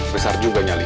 besar juga nyali